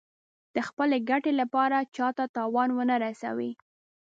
د خپلې ګټې لپاره چا ته تاوان ونه رسوي.